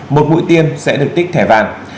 một mũi tiêm sẽ được tích thẻ vàng